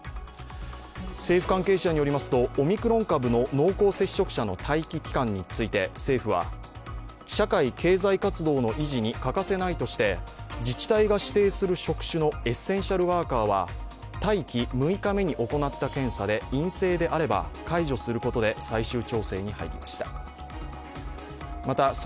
政府関係者によりますと、オミクロン株の濃厚接触者の待機期間について政府は、社会経済活動の維持に欠かせないとして自治体が指定する職種のエッセンシャルワーカーは待機６日目に行った検査で陰性であれば解除することで最終調整に入りました。